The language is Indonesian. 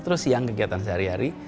terus yang kegiatan sehari hari